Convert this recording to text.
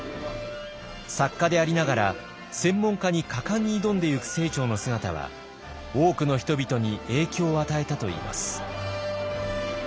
作家でありながら専門家に果敢に挑んでゆく清張の姿は多くの人々に影響を与えたといいます。